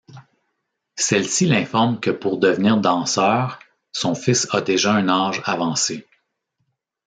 Celle-ci l'informe que pour devenir danseur son fils a déjà un âge avancé.